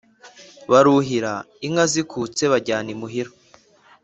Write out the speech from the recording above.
baruhira, inka zikutse bajyana imuhira